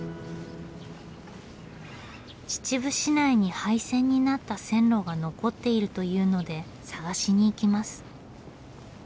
秩父市内に廃線になった線路が残っているというので探しに行きます。